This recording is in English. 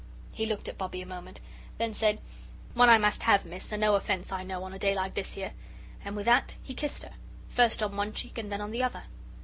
He looked at Bobbie a moment, then said, "One I must have, Miss, and no offence, I know, on a day like this 'ere!" and with that he kissed her, first on one cheek and then on the other.